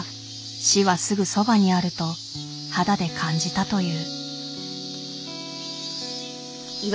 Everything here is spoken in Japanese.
死はすぐそばにあると肌で感じたという。